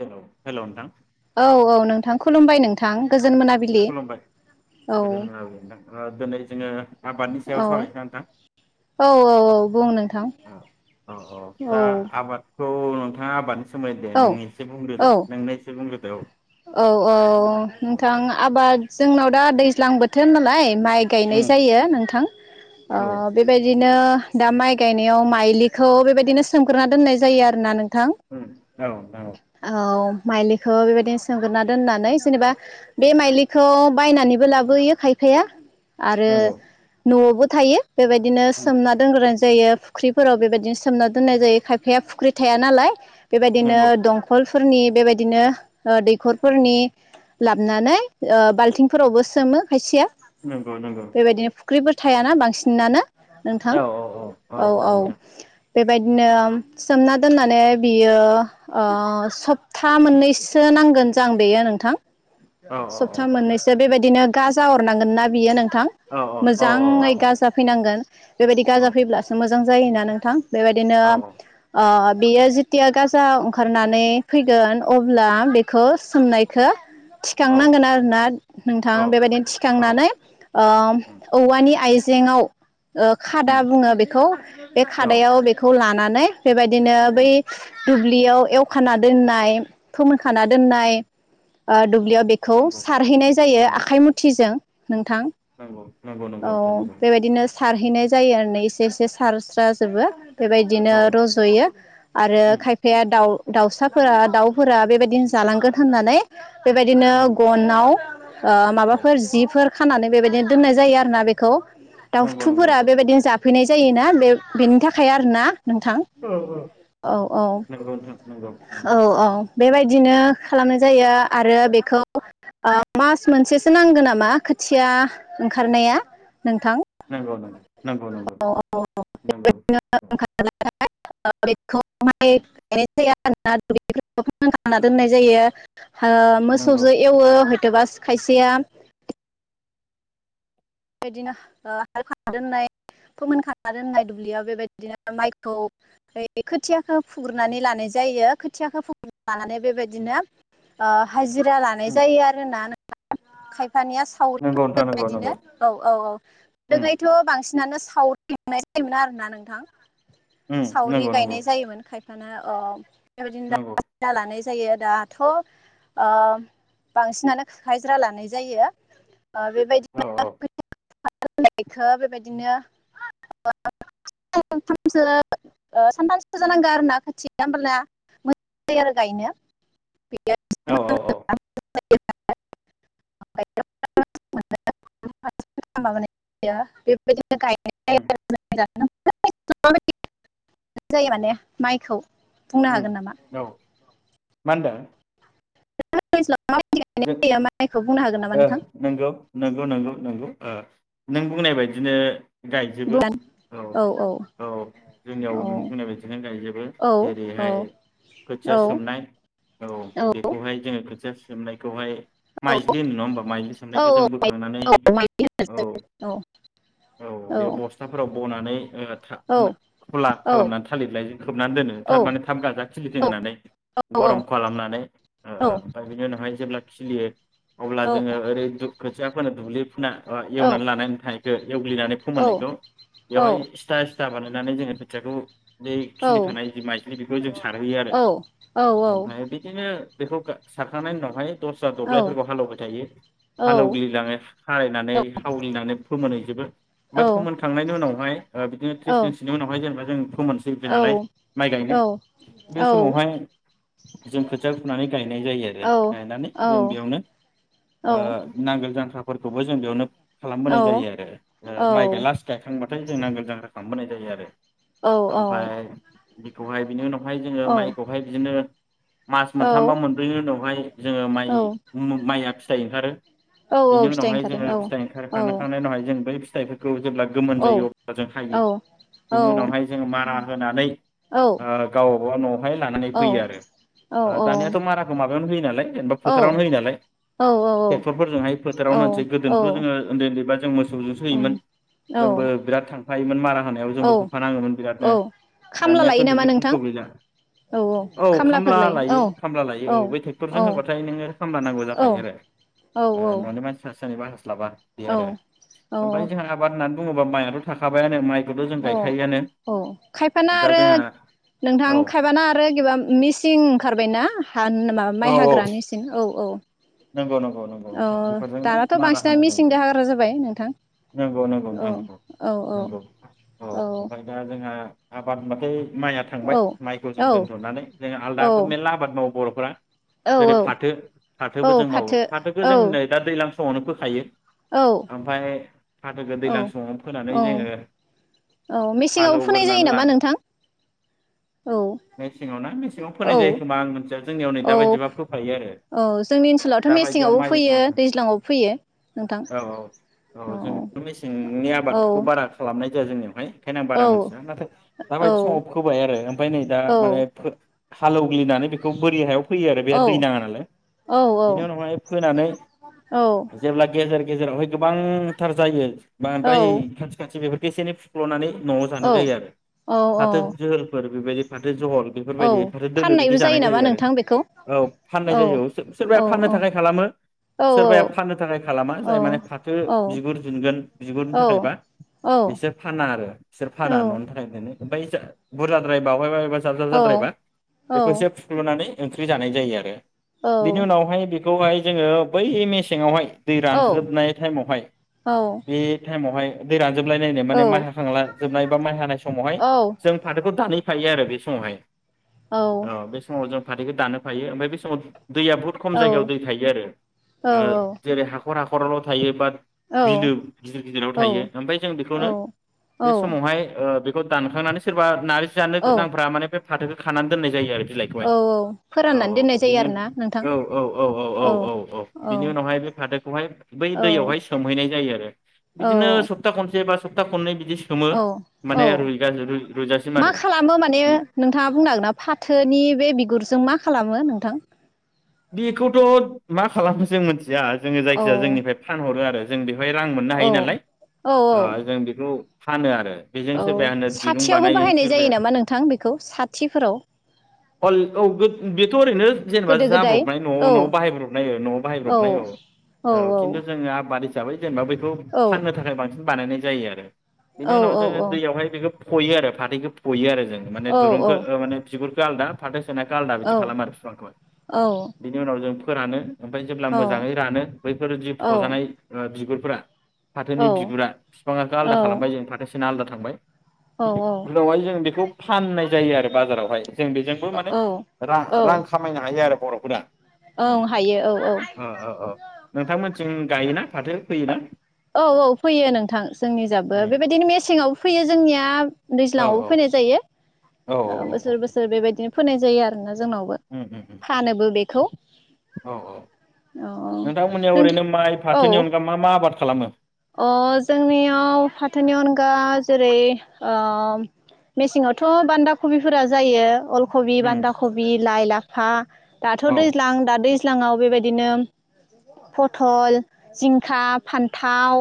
Hello hello नोंथां औ औ नोंथां खुलुमबाय नों थां गोज खुलुमबाय दोनै जोङो आबादनि सायाव औ सावरायनो ना औ औ बुं नोंथां अ अ औ दा आबाद औ नोंथां आबाद फोरमायदो औ नों एसे बुंग्रोदो औ नोंनो एसे बुंदो औ औ औ नोंथां उम आबाद जोंनाव दा दैज्लां बोथोर नालाय माइ गायनाय जायो नोंथां ओ औ बेबायदिनो दा माइ गायनायाव माइलिखौ बेबायदिनो सोमग्रोना दोननाय जायो आरो ना नों नोंथां उम औ औ माइलिखौ बेबायदिनो सोमग्रोना दोननानै जेनेबा बे माइलिखौ बायनानैबो लाबोयो खायफाया आरो नंगौ न'आवबो थायो बेबायदिनो उम सोमना दोनग्रोन जायो फुख्रिफोराव बेबायदिनो सोमना दोननाय जायो खायफाया फुख्रि थाया नालाय बेबायदिनो नंगौ खलफोरनि बेबायदिनो दैखरफोरनि लाबोनानै बाल्थिंफोरावबो सोमो खायसेया नंगौ नंगौ फुख्रिबो थायाना बांसिनानो नोंथां औ औ औ बेबायदिनो सोमना दोननानै बियो ओ सप्ता मोननैसो नांगोन जां बेयो नोंथां औ सप्ता मोननैसो बेबायदि बिदिनो गाजा हरनांगोन ना बियो नों थां औ औ मोजाङै औ औ गाजाफैनांगोन बेबायदि गाजा फैब्लासो मो जां जायोना नोंथां बेबायदिनो औ ओ बियो जेतिया गाजा अंखारनानै फैगोन अब्ला बेखौ सोमनायखो औ थिखांनांगोन आरोना नोंथां औ बेबायदिनो औ थिखांनानै ओ उम औवानि आय जेंङाव ओ खादा उम बुङो बेखौ बे औ खादायाव बेखौ ला नानै बेबायदिनो बै उम दुब दुब्लियाव एवखाना दोननाय फोमोनखाना दोननाय अ दु दुब्लियाव बेखौ नंगौ सारहैनाय जायो नंगौ आखाइ मुथिजों नोंथां नंगौ नंगौ नंगौ औ नोंथां नंगौ बेबायदिनो सारहैनाय जायो ओरेनै एसे एसे सारस्राजोबो बेबायदिनो औ रज'यो आरो उम खायफाया दाउ फोरा दाउफोरा बेबायदिनो जालांगोन होननानै बेबायदिनो नंगौ गनाव ओ औ माबाफोर जिफोर खानानै बेबायदिनो दोननाय जायो आरोना बेखौ नंगौ नंगौ दाउथुफोरा बेबायदिनो जा फैनाय जायोना बे बेनि थाखाय आरोना। नोंथां औ औ औ औ नंगौ नोंथां नंगौ औ औ बेबायदिनो खालामनाय जायो आरो बेखौ ओ मास मोनसेसो नांगौ नामा खोथिया ओंखारनाया नोंथां नंगौ नंगौ नंगौ नंगौ औ नंगौ [unintelligible] [unintelligible] बिदिआरोना [unintelligible] फानखांना दोननाय जायो ओ नंगौ मोसौजो एवो थबास खायसेया बेबायदिनो हाल खानना दोननाय फोमोनखानना दोननाय दुब्लियाव बेबायदिनो माइखौ खोथियाखौ फुग्रोनानै लानाय जायो खोथियाखौ फुगना लानानै बेबायदिनो ओ हाजिरा लानाय उम जायो आरो ना नों [unintelligible] नंगौ [unintelligible] नोंथां नंगौ बेबायदिनो नंगौ औ औ औ उम गोदोङैथ' बांसिन सिनानो सावरि लेंनाय जायोमोन आरो ना नोंथां उम सावरि नंगौ नंगौ गायनाय जायोमोन खायफा माने अ बेबायदिनो नंगौ [unintelligible] जायो दाथ' अ बांसिनानो खो हायाजिर्रा लानाय जायो बेबायदि औ औ [unintelligible] बेबायदिनो [unintelligible] सानथामसो सानथामसो जानांगौ आरोना खोथिया हमबाना मोजां जायो आरो गायनो। औ औ औ [unintelligible] [unintelligible] बेबायदि उम [unintelligible] [unintelligible] जायो माने माइखौ बुंनो उम हागोन नामा? औ मा होनदों? [unintelligible] मा बायदि गायनाय जों जायो माइखौ बुंनो हागोन नामा ओ नोंथां? नंगौ नंगौ नंगौ नों बुंनाय बायदिनो गायजोबो औ औ जोंनियाव औ नों बुंनाय बायदिनो गायजोबो औ औ जेरैहाय औ खोथिया सोमनाय औ बेखौहाय जोङो खोथिया [unintelligible] बेखौहाय औ माइज्लि होनो नङा होमबा माइज्लि सामनायखौ जों औ बोखांनानै औ माइदि औ होनो औ बे बस्थाफोराव बनानै औ थाब खला औ खालामनानै थालिरलाय खोबनानै दोनो औ थाब माने थाब गाजा खिलिथि होननानै औ गरम खालामनानै ओ औ ओमफ्राय बिनि उनावहाय जेब्ला खिलियो। अब्ला जोङो ओरै दुख खोथिया फोनो [unintelligible] ना एवनानै लानानै थानायखौ एवग्लिनानै फोमोननायखौ बेवहाय सिथा सिथा बानाय नानै जोङो फोथियाखौ बे खिलिखानाय जि माइज्लि बेखौ जों सारहैयो आरो औ ओमफ्राय बिदिनो बेखौ सारखांनायनि उनावहाय दस्रा औ औ दबग्लायफोरखौ हालेवबाय थायो हालेवग्लिलाङो हायनानै हावलिनानै फोरोमोनायजोबो। फिथाइ ओमफ्राय ओंखारो फमोनखांनायनि उनावहाय बिनो त्रिस औ दिननि उावहायेनबा जों फोमोनसै नालाय माइ गायनो बे समावहाय जों खोथिया फुनानै गायनाय जायो औ आरो औ गायनानै जों बेयावनो नांगोल जांख्रा फोरखौबो जों बेयावनो खालामबोनाय जायो औ आरो औ औ माइ गाय लास गायखांबा। नाथाय जोंनाांग गोजां राख खालामबोनाय जायो आरो। औ औ ओमफाय बेखौहाय बिनि उनाव हाय जोङो माइखौहाय बिदिनो मास मोनथामबा मोनबोययो उनावहाय जोङो माय अम माया फि फिथाइ ओंखारो। बिनि उनावहाय जोङो फिथाइ ओंखार खांनायनि उनावहाय जों बै जायखौ खौ जेब्ला गोमोन जायो अब्ला जों हायो बिनि उनावहाय जोङो मारा होनानै आ गाव खौ न लानानै फैयो औ आरो दानिआथ' माराखौ माबा -बायावनो होयो नालाय औ औ फोथारावनो होयो नालाय औ ट्रेक्टरफोरजोंहाय औ फोथारावनो होनोसै औ गोदोथ' जोङो उन्दै -उन्दैबा जों मोसौजोंसो होयोमोन जोंबो औ बिराद थां फायोमोन मारा होनायाव जोंबो औ होफा नांगौमोन औ बिरादनो खामला दानिआथ' लायो नामा बिदि खस्थ नोंथां गैला औ खामब्ला लायो -खामब्ला औ लायो बै तेकथरजों औ होबा बेखौहाय नोंड़ो खामब्ला नांगौ औ जाखायो आरो औ न'नि मानसि जनेबा हास्लाबा बे औ आरो ओमफ्राय औ जोंहा आबाद होननानै बुङोबा मायआथ' थाखाखाबायानो माइ अ औ खायफाना दा आरो जोंहा नोंथां औ खायफाना आरो ऐबा मिसिं ओंखारबायनाा माबा औ माइ औ हाग्रानिसिं सिन औ -औ। नंगौ- नंगौ -नंगौ औ नथां बेफोरजोंनो दानाथ' माना बांसिनानो होनाय जायो मेसिंजों आरो हाग्रा जाबाय नोंथां नंगौ -नंगौ औ नोंथां औ औ नंगौ। औ ओमफ्राय दा जोङ आबाद होनबाथाय माइया औ थांबाय माइखौ जों औ दोन्थ'नानै जों औ आलदाबो मेलला आबाद मावो बर' फ्रा औ जेरै औ फाथो औ फाथोबो जों मावो फाथो फाथोखौ जों औ नै दा दैज्लां मोजां समावनो फोखायो औ ओमफाय फाथोखौ दैज्लां औ समङाव फोनानै औ जोङो औ मेसेङाव हागौ फोनाय जायो ग्रोनानै नामा लानो नोंथां औ मेसेङाव ना मेसेङाव फोनाय जायो औ खोमा आं मिथिया जोंनियाव नै दा औ बायदिबा फोखायो आरो। औ जोंनि ओनसोलावथ' दाबायदियाव मेसेंआवबो माइ फैयो समाव दैज्लाङआवबो फैयो नोंथां औ जों मेसेंनि औ आबादखौ बारा खालामनाय जाया जोंनियावहाय बेखायनो आं औ बारा मोनथिया नाथाय औ दााबायदि समाव फोबाय आरो ओमफ्राय नै दा औ माने हाल एवग्लिनानै बेखौ बोरि हायाव फैयो आरो औ बेहा दै नाङा नालाय औ बेनि उनावहाय फोनानै जेब्ला गेजेर गेजेर जेरावहाय गोबांथार जायो औ बांद्राय खाथि खाथि बेफोर बेसेनि फुख्ल'नानै- न'आव जानाय जायो आरो औ फाथो जोहोलफोर बेबायदि- जझल बेफोरबायदि औ फाथो दोलो बिदि फाननायबो जानाय नामा जायो आरो नोंथां बेखौ औ फाननाय औ जायो। सोरबाया औ फाननो औ थाखाय खालामो औ सोरबाया फाननो थाखाय खालामा औ जाय माने फाथो औ बिगुर दिुनगोन बिगुरनि औ थाखायबा बिसोर फाना आरो बिसोर औ फाना न'नि थाखाय दोनो। ओमफ्राय जा बुरजाद्राय बावहाय- जाब जाब जाद्रायबा बेखौ एसेफुख्लनानै ओंख्रि जानाय जायो आरो बिनि उनावहाय बे खौहाय जोङो बै मेसेङावहाय दै औ रानजोबनाय टाइमावहाय औ बे टाइमावहाय दैरान जोबलाय नायनो औ माने माइ हांला जोबनाय बा माइ हानाय समावहाय औ जों फाथोखौ दानै थायो आरो बे समावहाय औ बे समाव जों। फाथैखौ दानो फायो ओमफ्राय बे समाव दैया बुहुत खम जायगायाव दै थायो आरो अ जेरै हाखर हाखर खर'ल' थायो बाट बिलो गिदिर गिदिराव थायो औ ओमफ्राय जों औ बेखौनो बे समावहाय अ बे दानखांनानै सोरबा नार जानो गोनांफ्रा माने बे फाथोखौ खानानै दोननाय जायो आरो। बिलाइखौहाय औ औ औ फोराननानै औ दोननाय जायो बिनि आरो ना। औ औ औ औ औ औ औ बिनि उनावहाय बे फाथोखौहाय बै औ दैयावहाय सोमहैनाय जायो आरो। औ बिदिनो सप्ता खनसे बा सप्ता खननै बि औ औ रुइजासिम मा आरो खालामो माने बि नोंथाङा बुंनो हागोना? फाथोनि बे बिगुरजों मा खालामो नोंथां? बेखौथ मा खालामो जों मोनसे या जोङो औ जायखिजाया जोंनिफ्राय फानहरो आरो। जों बेवहाय रां मोननो औ हायो नालाय, औ औ ओ जों बेखौ फानो आरो। बेजों औ सोरबाया होनो दिरुं साथियावबो बानायो बाहायनाय जायो सोरबाया नामा नोंथां बेखौ साथिफोराव औ औ बेथ ओरैनो जेनेबा गोदो-गोदाय जाब्रबनाय नआव नआव बायब्रनाय औ नआव बाहायब्रबनाय औ औ खिन्थु जों मान हिसाबै जेनेबा बेखौ फाननो थाखाय बांसिन बानायनाय जायो आरो बिनि औ उनाव औ जोङो औ दैयावहाय बेखौ खयो आरो फाथैखौ फयो आरो जों माने औ औ दुरुंखौ ओ माने बिुर खो आलदा फाथो सोनायखौ आलदा बिदि खालामो आरो फिफांखौहाय। उनाव जों फोरानो ओमफ्राय जेब्ला मोजाङै रानो बैफोर जि फजानाय बिगुर फोरा फाथोनि बिगुरा बिफाङा [unintelligible] आलादा खालामबाय औ जों फाथोसेना आलादा थांबाय उनावहाय जों बेखौ फाननाय जायो आरो बाजारावहाय जों बेजोंबो माने रा औ रां खामायनो हायो आरो गदा औ हायो औ औ ओ नोंथांमोनथिं गायोना फाथो फोयोना? औ औ फोयो नोंथां जोंनि जाबो उम बेबायदिनो मेसेंआवबो फोयो जोंनिया औ दैज्लाङावबो फोनाय जायो औ ओ बोसोर बोसोर बेबायदिनो फोनाय जायो आरोना जोंनावबो औ उम उम उम फानोबो बेखौ औ औ अ अ नोंथांमोननियाव नोंथ ओरैनो माइ औ फाथोनि अनगा मा मा आबाद खालामो? अ जोंनियाव फाथोनि अनगा जेरै ओम मेसेंआवथ' बान्दा खबिफोरा जायो अल खबि उम बान्दा खबि लाइ लाफ हा दाथ' औ दैज्लां दा दैज ज्लाङाव बेबायदिनो पथल जिंखा फान्थाव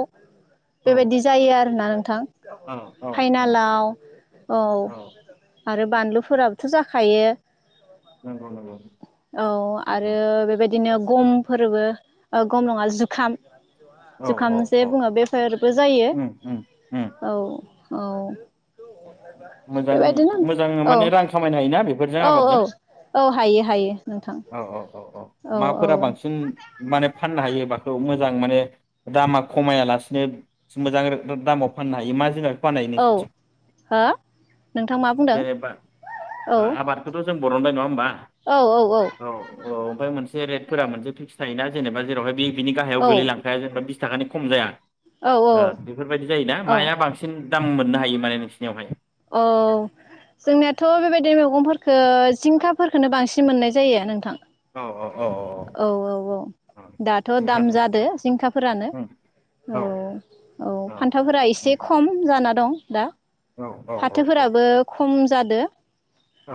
औ बेबायदि जायो आ आ [unintelligible] ना नोंथां औ औ औ फाइनालाव औ आरो बानलुफोराबोथ' जाखायो। [unintelligible] औ आरो बेबायदिनो गमफोरबो औ गम नङा जुखाम औ जुखामजे औ बुङो बेफरबो जायो उम उम उम औ औ मोजां बेबायदिनो मोजां अ माने रां खामायनो हायोना बेफोरजों औ औ आबादजों औ हायो। [unintelligible] नोंथां औ औ औ औ माफोरा औ बांसिन माने फाननो हायो माखौ मोजां माने दामा खमायालासिनो मोजां दा दामाव फाननो हायो मा जिरा [unintelligible] औ हो? नोंथां मा बुंदों जेनेबा औ आबादखौथ' जों बर'नबाय नङा होनबा? औ औ औ अ ओमफ्राय मोनसे रेटफोरा मोनसे फिक्स थायोना जेनेबा जेरावहाय बि बिनि गाहायाव गोलैलांखाया जेनेबा थाखानि खम जाया औ ओ बेफोरबायदि जायोना औ माया बांसिन दाम मोननो हायो माने नोंसिनियावहाय? औ जोंनियाथ' बेबायदि मैगंफोरखौ जिंखाफोरखौनो बांसिन मोननाय जायो नोंथां। औ औ औ औ औ दाथ' दाम जुथाजों जादो जिंखाफोरानो, औ औ फान्थावफोरा एसे मोजां खम जाना दं। दा औ औ फाथोफोराबो खम जादो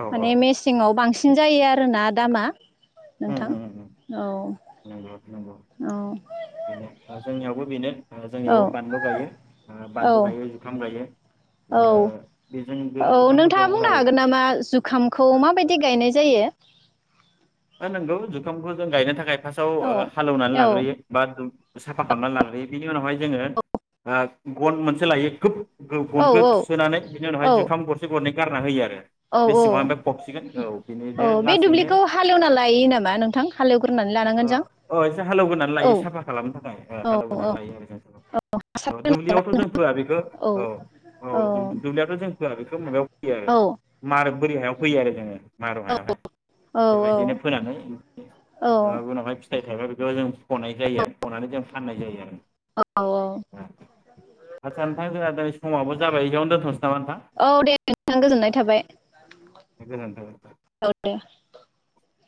औ औ माने मेसेंआव बांसि सिन जायो आरोना दामा। उम नोंथां उम उम औ नंगौ नंगौ औ बेनो जोंनियावबो बेनो दे जोंनियावबो औ बानलु गायो ओ बानलु औ गायो जुखाम गायो। ओ औ बे औ नोंथाङा बुंनो हागोन नामा जुखामखौ माबायदि गायनाय जायो? हो नोंगौ जुखामखौ जों गायनो थाखाय फास्टआव औ हालौवनानै औ लाग्रोयो बा साफा खालामनानै लाग्रो बे नि उनावहाय जोङो ओ गन मोनसे लायो खोब औ गनखौ थुसोननानै बिनि औ उनावहाय जुखाम गरसे गरनै गारना होयो आरो। औ बे सिङाव औ ओमफ्राय फबसिगोन औ बिनिनो औ बे लासैनो दुब्लिखौ हालेवना लायो नामा नोंथां हालेवग्रोनानै लानांगोन जों [inaudible] ओ एसे हालेवगोनानै औ लायो साफा खालामनो थाखाय औ हालौग्रोनानै औ लायो आरो हासार जों होनांगोन दुब्लियावथ' जों फोआ बेखौ औ औ दुब्लियावथ' जों फोआ बेखौ माबायाव फैयो आरो। औ मार बोरि हायाव फैयो आरो जोङो। मारो [unintelligible] बेबायदिनो फोनङो औ माबा उनावहाय फिथाइ थायोा बेखौ जों फनाय जायो आरो फनानै जों फाननाय जायो आरो औ आतसा नोंथां जोंहा समाबबो जाबाय जयावनो दोन्थ'सै नामा नथां औ दे नोंथां गोजोननाय थाबाय गोजोनथ औ दे